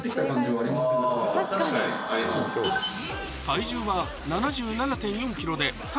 体重は７７．４ｋｇで３．８ｋｇ